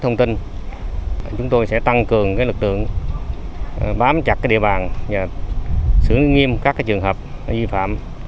thông tin chúng tôi sẽ tăng cường lực lượng bám chặt địa bàn và xử lý nghiêm các trường hợp vi phạm